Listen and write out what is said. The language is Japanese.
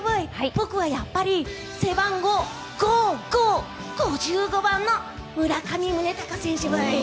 僕はやっぱり背番号ゴーゴー、５５番の村上宗隆選手ばい。